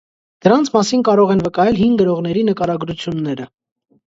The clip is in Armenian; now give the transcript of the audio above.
Դրանց մասին կարող են վկայել հին գրողների նկարագրությունները։